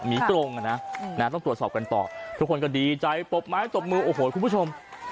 กรงอ่ะนะต้องตรวจสอบกันต่อทุกคนก็ดีใจตบไม้ตบมือโอ้โหคุณผู้ชม